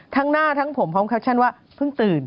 หน้าทั้งผมพร้อมแคปชั่นว่าเพิ่งตื่น